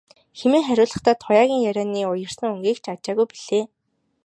хэмээн хариулахдаа Туяагийн ярианы уярсан өнгийг ч ажаагүй билээ.